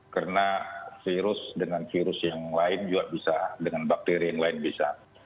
karena virus dengan virus yang lain juga bisa dengan bakteri yang lain juga bisa